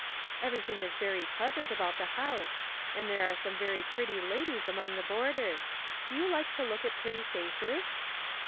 " Everything is very pleasant about the house, and there are some very pretty ladies among the boarders. Do you like to look at pretty faces?"